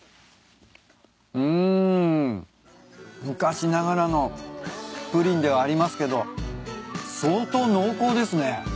昔ながらのプリンではありますけど相当濃厚ですね。